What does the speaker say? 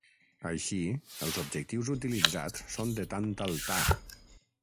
Així, els objectius utilitzats són de tàntal Ta.